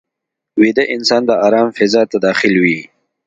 ویده انسان د آرام فضا ته داخل وي